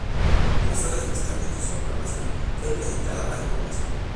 Unas horas más tarde de su aprobación fue presentada a la población.